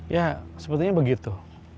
ya sepertinya begitu